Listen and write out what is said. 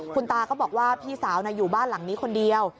คุณตาก็บอกว่าพี่สาวอยู่บ้านหลังนี้คนเดียว